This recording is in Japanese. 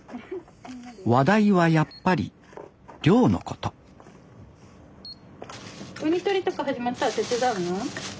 話題はやっぱり漁のことウニ取りとか始まったら手伝うの？